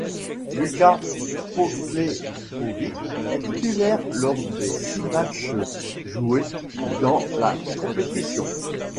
Lukas Poklepovic est titulaire lors des six matches joués dans la compétition.